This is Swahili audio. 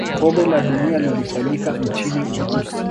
kombe la dunia lilifanyika nchini urusi